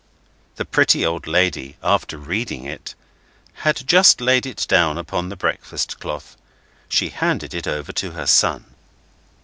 The pretty old lady, after reading it, had just laid it down upon the breakfast cloth. She handed it over to her son.